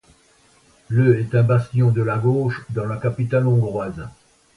Le est un bastion de la gauche dans la capitale hongroise.